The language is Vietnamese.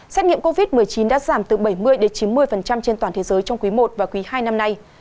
xét nghiệm covid một mươi chín đã giảm từ bảy mươi chín mươi trên toàn thế giới trong quý i và quý hai năm nay